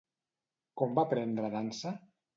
Com va aprendre dansa?